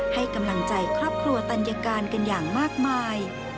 ให้กำลังใจครอบครัวตัญการกันอย่างมากมาย